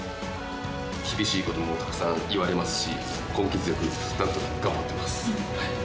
厳しいこともたくさん言われますし、根気強く、なんとか頑張ってます。